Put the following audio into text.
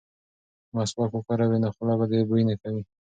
که مسواک وکاروې نو خوله به دې بوی نه کوي.